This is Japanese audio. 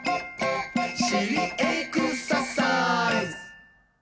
「しりエクササイズ！」